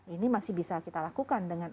ini masih bisa kita lakukan dengan